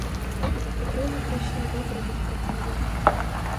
Петрові прийшла добра думка в голову.